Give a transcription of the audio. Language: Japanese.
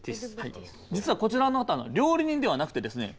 実はこちらの方料理人ではなくてですね